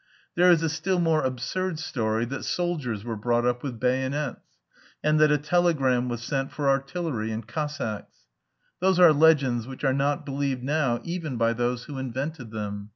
There is a still more absurd story that soldiers were brought up with bayonets, and that a telegram was sent for artillery and Cossacks; those are legends which are not believed now even by those who invented them.